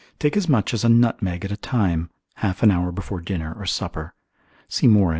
Take as much as a nutmeg at a time, half an hour before dinner or supper, or pil. mastichin.